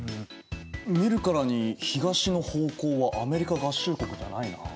見るからに東の方向はアメリカ合衆国じゃないなあ。